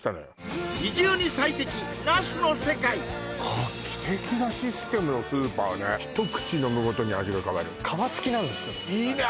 画期的なシステムのスーパーね一口飲むごとに味が変わる川付きなんですいいね